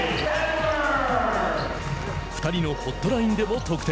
２人のホットラインでも得点。